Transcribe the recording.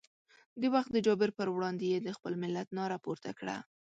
د وخت د جابر پر وړاندې یې د خپل ملت ناره پورته کړه.